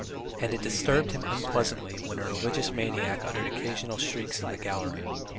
And it disturbed him unpleasantly when a religious maniac uttered occasional shrieks in the gallery.